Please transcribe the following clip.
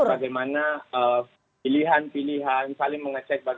saci salah ya kalau ada satu mereka itu orang